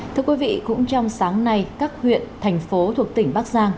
thưa quý vị cũng trong sáng nay các huyện thành phố thuộc tỉnh bắc giang